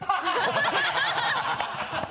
ハハハ